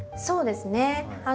そうですね。